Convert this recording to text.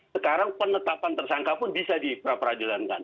sekarang penetapan tersangka pun bisa di pra peradilankan